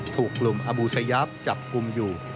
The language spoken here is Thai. ถูกกลุ่มอบูสยาปจับกลุ่มอยู่